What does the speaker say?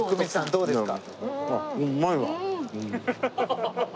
どうですか？